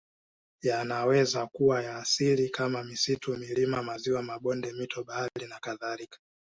Yanaweza kuwa ya asili kama misitu milima maziwa mabonde mito bahari nakadhalka